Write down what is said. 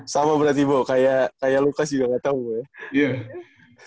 sama berarti bu kayak lukas juga nggak tahu bu